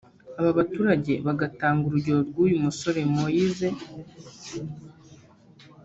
Aba baturage bagatanga urugero rw’uyu musore Moise